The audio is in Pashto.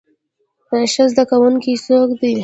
ښه زده کوونکی څوک دی؟